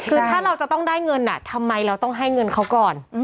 คือถ้าเราจะต้องได้เงินทำไมเราต้องให้เงินเขาก่อน